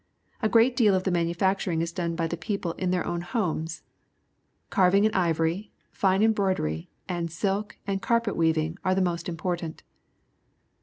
A great deal of the manufacturing is done by the people in their o\\ti homes. CarAJng in ivoQ'j fing_einr broiderjj and silk and carpet w.eaYing are the most important.